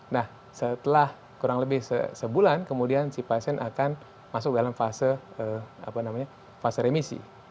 nah setelah kurang lebih sebulan kemudian si pasien akan masuk dalam fase fase remisi